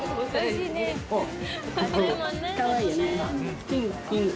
かわいいよね、パン。